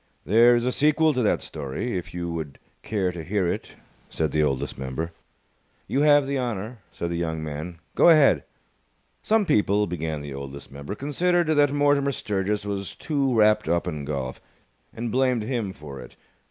"There is a sequel to that story, if you would care to hear it," said the Oldest Member. "You have the honour," said the young man. "Go ahead!" Some people (began the Oldest Member) considered that Mortimer Sturgis was too wrapped up in golf, and blamed him for it.